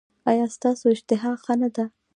ایا ستاسو اشتها ښه نه ده؟